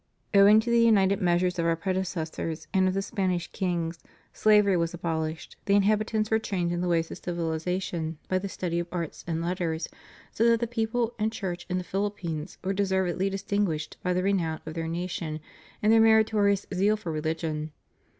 Owing to the united measures of Our predecessors and of the Spanish kings, slavery was abolished, the inhabitants were trained in the ways of civilization by the study of arts and letters, so that the people and Church in the Phil ippines were deservedly distinguished by the renown of their nation and their meritorious zeal for religion.